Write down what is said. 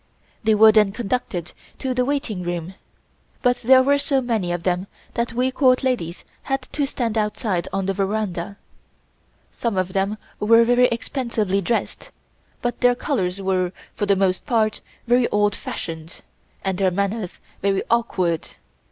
They were then conducted to the waiting room, but there were so many of them that we Court ladies had to stand outside on the veranda. Some of them were very expensively dressed, but their colors were, for the most part, very old fashioned, and their manners very awkward.